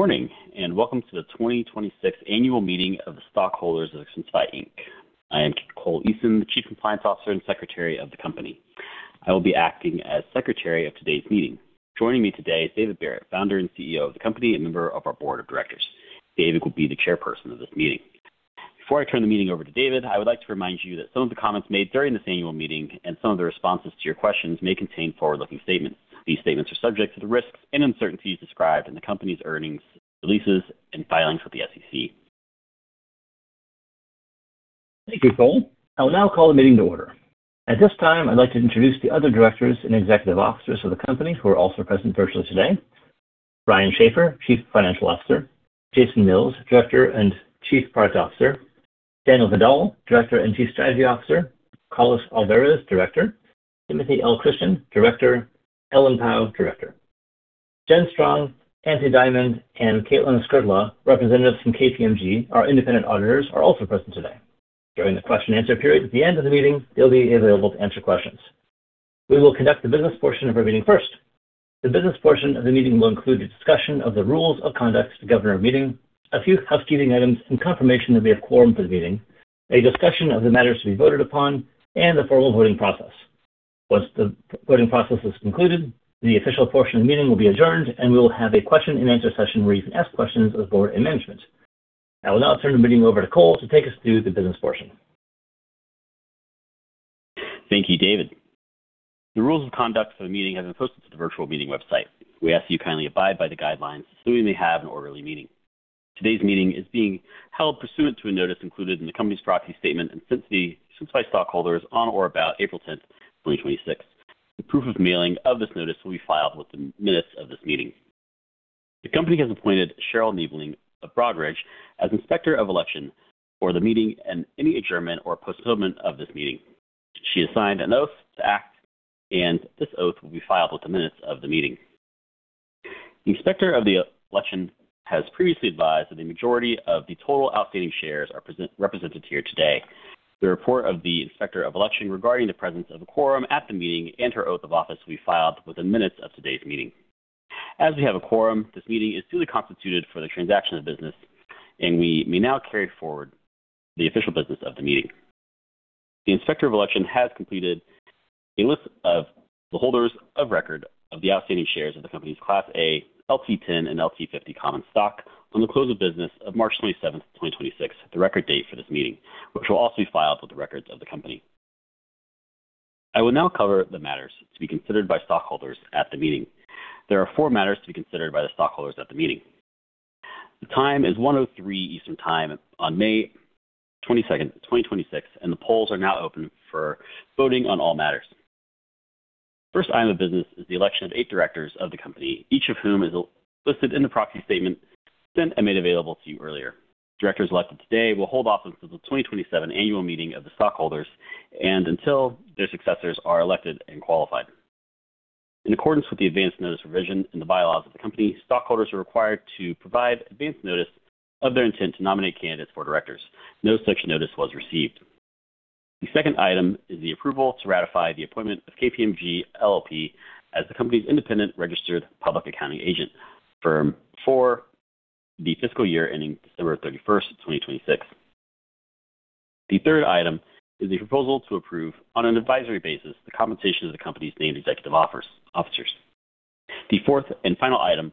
Morning and welcome to the 2026 Annual Meeting of the stockholders of Expensify, Inc. I am Cole Eason, the Chief Compliance Officer and Secretary of the company. I will be acting as Secretary of today's meeting. Joining me today is David Barrett, Founder and CEO of the company and member of our Board of Directors. David will be the Chairperson of this meeting. Before I turn the meeting over to David, I would like to remind you that some of the comments made during this annual meeting and some of the responses to your questions may contain forward-looking statements. These statements are subject to the risks and uncertainties described in the company's earnings releases and filings with the SEC. Thank you, Cole. I will now call the meeting to order. At this time, I'd like to introduce the other Directors and executive officers of the company who are also present virtually today. Ryan Schaffer, Chief Financial Officer, Jason Mills, Director and Chief Product Officer, Daniel Vidal, Director and Chief Strategy Officer, Carlos Alvarez, Director, Timothy L. Christen, Director, Ellen Pao, Director. Jen Strong, Nancy Diamond, and Caitlin Skrdla, representatives from KPMG, our independent auditors, are also present today. During the question-and-answer period at the end of the meeting, they'll be available to answer questions. We will conduct the business portion of our meeting first. The business portion of the meeting will include a discussion of the rules of conduct to govern our meeting, a few housekeeping items, and confirmation that we have quorum for the meeting, a discussion of the matters to be voted upon, and the formal voting process. Once the voting process is concluded, the official portion of the meeting will be adjourned, and we will have a question-and-answer session where you can ask questions of the Board and management. I will now turn the meeting over to Cole to take us through the business portion. Thank you, David. The rules of conduct for the meeting have been posted to the virtual meeting website. We ask you kindly abide by the guidelines so we may have an orderly meeting. Today's meeting is being held pursuant to a notice included in the company's proxy statement, since the Expensify stockholders on or about April 10th, 2026. The proof of mailing of this notice will be filed with the minutes of this meeting. The company has appointed Cheryl Niebling of Broadridge as Inspector of Election for the meeting and any adjournment or postponement of this meeting. She has signed an oath to act, this oath will be filed with the minutes of the meeting. The Inspector of the Election has previously advised that the majority of the total outstanding shares are represented here today. The report of the Inspector of Election regarding the presence of a quorum at the meeting and her oath of office will be filed with the minutes of today's meeting. As we have a quorum, this meeting is duly constituted for the transaction of business, and we may now carry forward the official business of the meeting. The Inspector of Election has completed a list of the holders of record of the outstanding shares of the company's Class A, LT10, and LT50 common stock on the close of business of March 27th, 2026, the record date for this meeting, which will also be filed with the records of the company. I will now cover the matters to be considered by stockholders at the meeting. There are four matters to be considered by the stockholders at the meeting. The time is 1:03 Eastern Time on May 22nd, 2026, and the polls are now open for voting on all matters. First item of business is the election of eight directors of the company, each of whom is listed in the proxy statement sent and made available to you earlier. Directors elected today will hold office until the 2027 annual meeting of the stockholders and until their successors are elected and qualified. In accordance with the advance notice provision in the bylaws of the company, stockholders are required to provide advance notice of their intent to nominate candidates for directors. No such notice was received. The second item is the approval to ratify the appointment of KPMG LLP as the company's independent registered public accounting agent firm for the fiscal year ending December 31st, 2026. The third item is a proposal to approve, on an advisory basis, the compensation of the company's named executive officers. The fourth and final item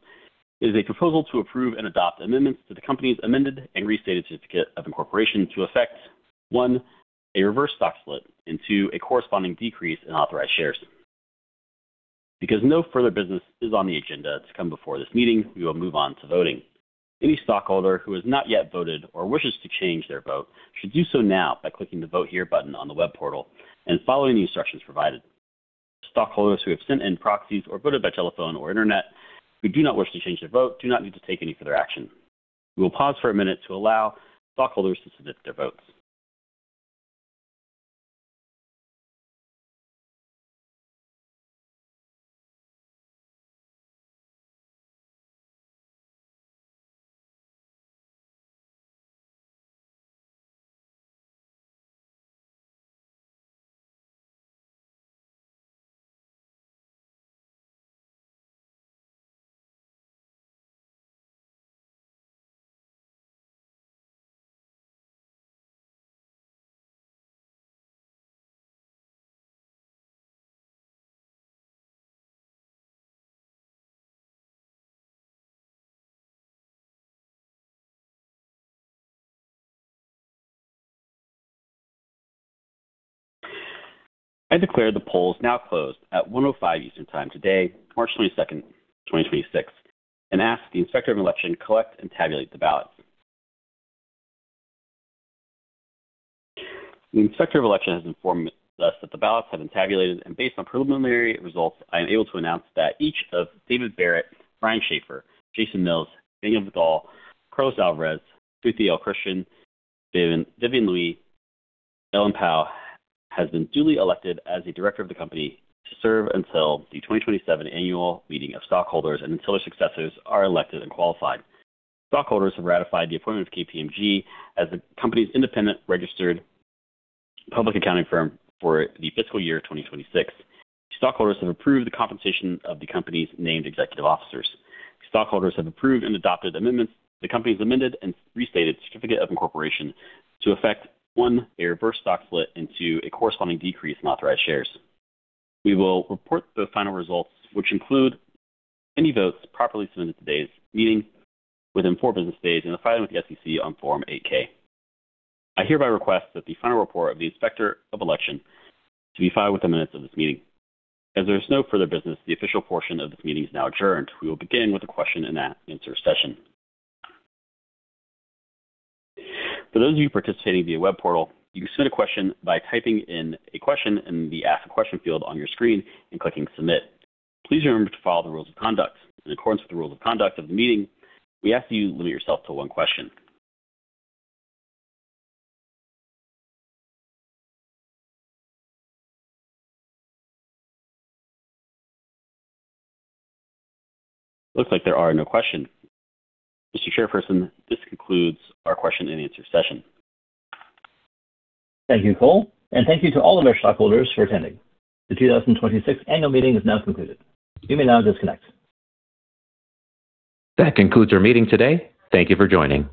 is a proposal to approve and adopt amendments to the company's amended and restated certificate of incorporation to effect, one, a reverse stock split, and two, a corresponding decrease in authorized shares. Because no further business is on the agenda to come before this meeting, we will move on to voting. Any stockholder who has not yet voted or wishes to change their vote should do so now by clicking the vote here button on the web portal and following the instructions provided. Stockholders who have sent in proxies or voted by telephone or internet who do not wish to change their vote do not need to take any further action. We will pause for one minute to allow stockholders to submit their votes. I declare the polls now closed at 1:05 P.M. Eastern Time today, March 22nd, 2026, and ask the Inspector of Election collect and tabulate the ballots. The Inspector of Election has informed us that the ballots have been tabulated, and based on preliminary results, I am able to announce that each of David Barrett, Ryan Schaffer, Jason Mills, Daniel Vidal, Carlos Alvarez, Timothy L. Christen, Vivian Liu, Ellen Pao, has been duly elected as a director of the company to serve until the 2027 annual meeting of stockholders and until their successors are elected and qualified. Stockholders have ratified the appointment of KPMG as the company's independent registered public accounting firm for the fiscal year 2026. Stockholders have approved the compensation of the company's named executive officers. Stockholders have approved and adopted amendments, the company's amended and restated certificate of incorporation to effect, one, a reverse stock split, and two, a corresponding decrease in authorized shares. We will report the final results, which include any votes properly submitted at today's meeting within four business days in the filing with the SEC on Form 8-K. I hereby request that the final report of the Inspector of Election to be filed with the minutes of this meeting. As there is no further business, the official portion of this meeting is now adjourned. We will begin with a question-and-answer session. For those of you participating via web portal, you can submit a question by typing in a question in the ask a question field on your screen and clicking submit. Please remember to follow the rules of conduct. In accordance with the rules of conduct of the meeting, we ask that you limit yourself to one question. Looks like there are no questions. Mr. Chairperson, this concludes our question-and-answer session. Thank you, Cole, and thank you to all of our stockholders for attending. The 2026 annual meeting is now concluded. You may now disconnect. That concludes our meeting today. Thank you for joining.